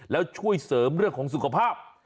แล้วช่วยเสริมเรื่องของสุขภาพ